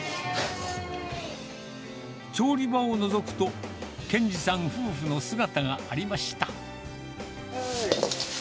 調理場をのぞくと、健志さん夫婦の姿がありました。